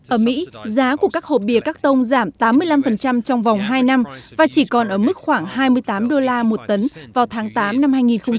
ở mỹ giá của các hộp bìa các tông giảm tám mươi năm trong vòng hai năm và chỉ còn ở mức khoảng hai mươi tám đô la một tấn vào tháng tám năm hai nghìn một mươi chín